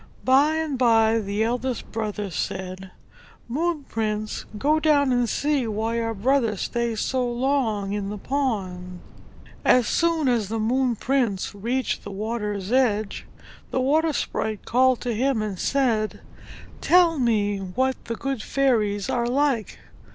By and by the eldest brother said, "Moon Prince, go down and see why our brother stays so long in the pond!" As soon as the Moon Prince reached the water's edge the water sprite called to him and said, "Tell me what the Good Fairies are like